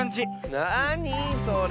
なにそれ？